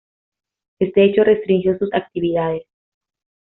Este hecho restringió sus actividades.